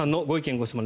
・ご質問